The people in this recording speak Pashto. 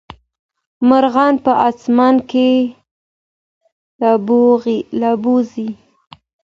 مرغان په اسمان کي البوځي.